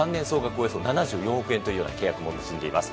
およそ７４億円というような契約も結んでいます。